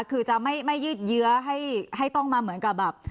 คือจะไม่ยืดเยื้อให้ต้องมาเหมือนกับแบบ